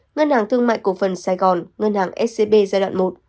ngân hàng thương mại cổ phần sài gòn ngân hàng scb giai đoạn một